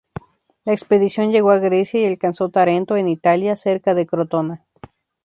La expedición llegó a Grecia y alcanzó Tarento, en Italia, cerca de Crotona.